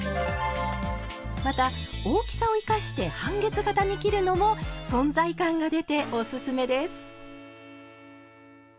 また大きさを生かして半月形に切るのも存在感が出ておすすめです。